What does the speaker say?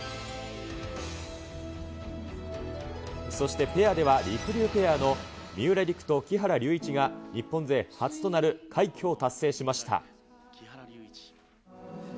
そしてペアでは、りくりゅうペアの三浦璃来と木原龍一が、日本勢初となる快挙を達成しました。